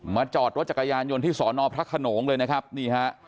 จอดรถจักรยานยนต์ที่สอนอพระขนงเลยนะครับนี่ฮะ